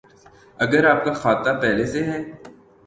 اگر آپ کا کھاتہ پہلے سے ہے